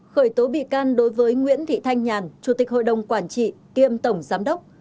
khởi tố bị can đối với nguyễn thị thanh nhàn chủ tịch hội đồng quản trị kiêm tổng giám đốc